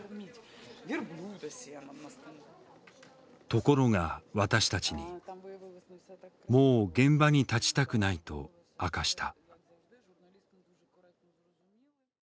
ところが私たちにもう現場に立ちたくないと明かした。